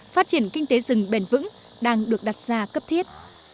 phát triển kinh tế rừng bền vững đang được đặt ra cấp thiết